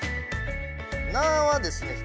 「な」はですね